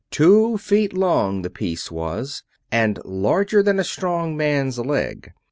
Two feet long the piece was, and larger than a strong man's leg.